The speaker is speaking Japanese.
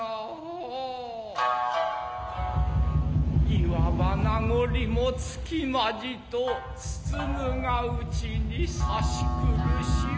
言わば名残もつきまじと包むがうちにさしくる汐